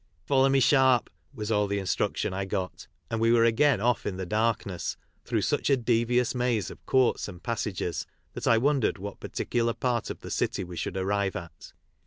" Follow me, sharp," was all the instruction I got, and we were again off in the darkness through such a devious maze of courts and passages that I wondered what particular part of the city we should arrive at.